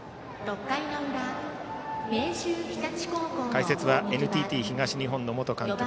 解説はＮＴＴ東日本の元監督